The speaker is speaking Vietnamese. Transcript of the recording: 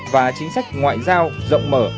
và chính sách ngoại giao rộng mở